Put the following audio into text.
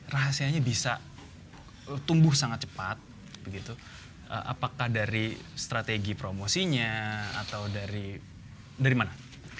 rahasianya bisa tumbuh sangat cepat apakah dari strategi promosinya atau dari mana